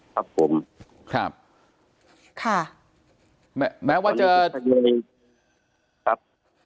ครับผมครับค่ะแม้แม้ว่าจะครับ